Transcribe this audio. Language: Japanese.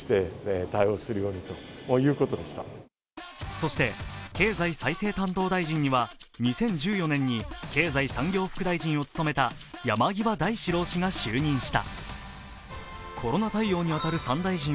そして経済再生担当大臣には２０１３年に経済産業副大臣を務めた山際大志郎氏が就任した。